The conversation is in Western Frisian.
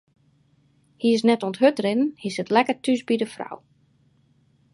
Hy is net oan it hurdrinnen, hy sit lekker thús by de frou.